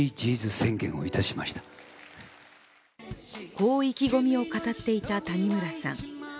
こう意気込みを語っていた谷村さん。